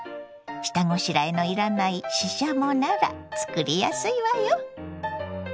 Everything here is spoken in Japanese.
下ごしらえのいらないししゃもなら作りやすいわよ。